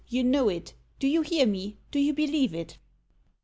You know it! Do you hear me? Do you believe it?